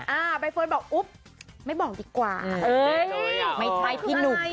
ใบเฟิร์นบอกอุ๊บไม่บอกดีกว่าเออไม่ใช่พี่หนุ่ม